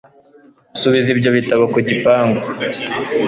Subiza ibyo bitabo ku gipangu.